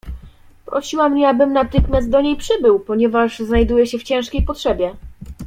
"Prosiła mnie, abym natychmiast do niej przybył, ponieważ znajduje się w ciężkiej potrzebie."